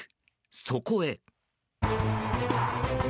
そこへ。